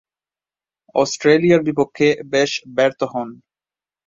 অস্ট্রেলিয়ার বিপক্ষে বেশ ব্যর্থ হন।